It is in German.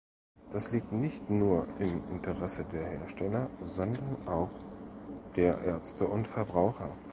Das liegt nicht nur im Interesse der Hersteller, sondern auch der Ärzte und Verbraucher.